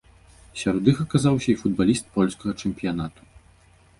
Сярод іх аказаўся і футбаліст польскага чэмпіянату.